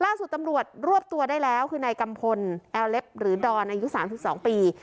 ล่าสุดตำรวจรวบตัวได้แล้วคือนายกัมพลแอลเล็บหรือดอนอายุ๓๒ปี